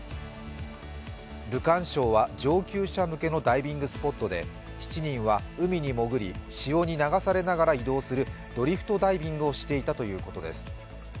ルカン礁は上級者向けのダイビングスポットで７人は海に潜り潮に流されながら移動するドリフトダイビングをしていたということです。